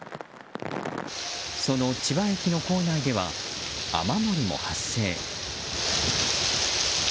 その千葉駅の構内では雨漏りも発生。